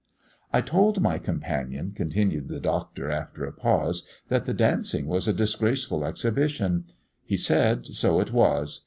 "I told my companion," continued the Doctor, after a pause, "that the dancing was a disgraceful exhibition; he said, so it was.